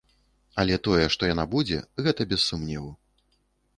Але тое, што яна будзе, гэта без сумневу.